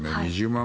２０万